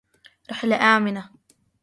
رحلة آمنة